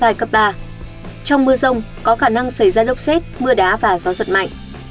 trong mưa rông có khả năng xảy ra lốc xét mưa đá và gió giật mạnh